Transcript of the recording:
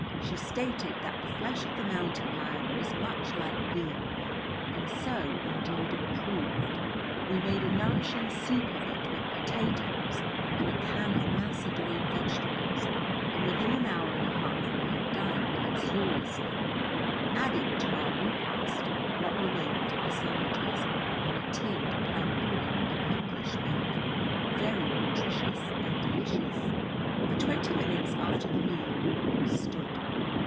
She stated that the flesh of the mountain lion was much like veal, and so indeed it proved. We made a nourishing soup of it, with potatoes and a can of macédoine vegetables, and within an hour and a half we had dined luxuriously, adding to our repast what remained of the sandwiches, and a tinned plum pudding of English make, very nutritious and delicious. For twenty minutes after the meal we all stood.